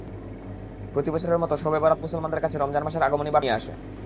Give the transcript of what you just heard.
প্রতিবছরের মতো শবে বরাত মুসলমানদের কাছে রমজান মাসের আগমনী বার্তা নিয়ে আসে।